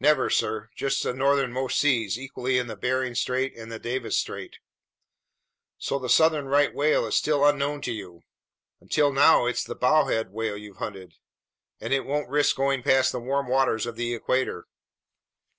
"Never, sir. Just the northernmost seas, equally in the Bering Strait and the Davis Strait." "So the southern right whale is still unknown to you. Until now it's the bowhead whale you've hunted, and it won't risk going past the warm waters of the equator."